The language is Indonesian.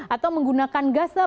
atau menggunakan gas lah